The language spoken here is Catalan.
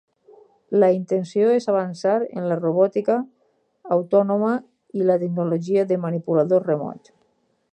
La intenció és avançar en la robòtica autònoma i la tecnologia de manipuladors remots.